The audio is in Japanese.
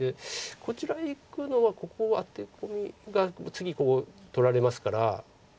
こちらへいくのはここアテコミが次ここ取られますから。